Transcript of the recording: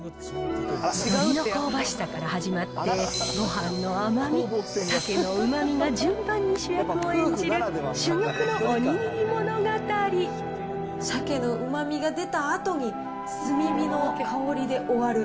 のりの香ばしさから始まって、ごはんの甘み、サケのうまみが順番に主役を演じる、シャケのうまみが出たあとに、炭火の香りで終わる。